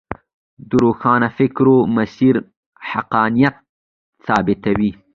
د روښانفکرو مسیر حقانیت ثابتوي.